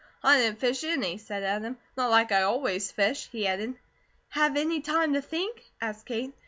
"I didn't fish any," said Adam, "not like I always fish," he added. "Had any time to THINK?" asked Kate.